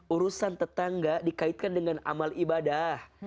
urusan tetangga dikaitkan dengan amal ibadah